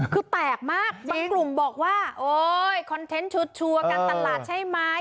คือแตกมากบางกลุ่มบอกว่าโอ๊ยคอนเทนต์ชุดชัวร์การตลาดใช่ไหม